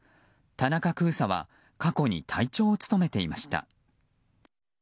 田中空佐は過去に隊長を務めていました。